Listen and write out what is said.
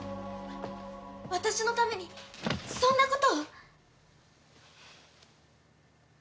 私のためにそんなことを！？